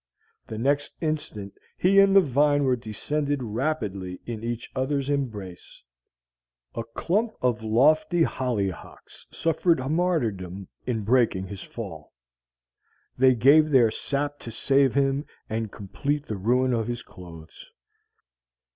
The next instant he and the vine were descending rapidly in each other's embrace. A clump of lofty hollyhocks suffered martyrdom in breaking his fall. They gave their sap to save him and complete the ruin of his clothes.